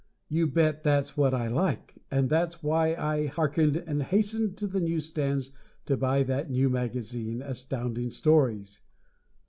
You bet that's what I like, and that's why I halted, hearkened, and hastened to the newsstands to buy that new magazine, Astounding Stories.